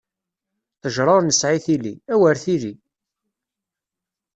Ṭṭejṛa ur nesɛi tili, awer tili!